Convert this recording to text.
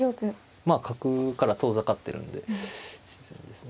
まあ角から遠ざかってるんで自然ですね。